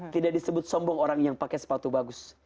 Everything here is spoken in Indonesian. tidak disebut sombong orang yang pakai sepatu bagus